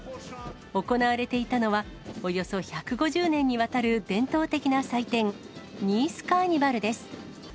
行われていたのは、およそ１５０年にわたる伝統的な祭典、ニース・カーニバルです。